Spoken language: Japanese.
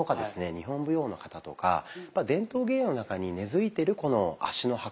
日本舞踊の型とか伝統芸能の中に根づいてるこの足の運び方。